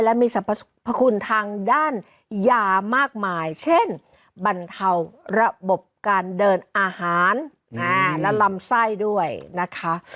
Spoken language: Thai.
และมีสรรพคุณทางด้านยามากมายเช่นบรรเทาระบบการเดินอาหารและลำไส้ด้วยนะคะ